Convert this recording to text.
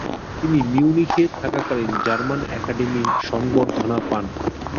তিনি মিউনিখে থাকাকালীন German academy সংবর্ধনা পান।